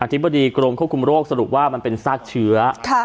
ธิบดีกรมควบคุมโรคสรุปว่ามันเป็นซากเชื้อ